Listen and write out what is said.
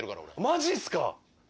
マジっすか？